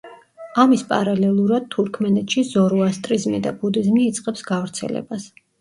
ამის პარალელურად თურქმენეთში ზოროასტრიზმი და ბუდიზმი იწყებს გავრცელებას.